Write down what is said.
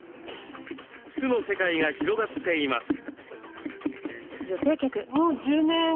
酢の世界が広がっています。